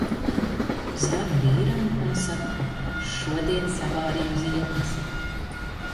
Zvanu vīram un saku: "Šodien savārīju ziepes!"